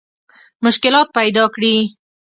مشکلات پیدا کړي.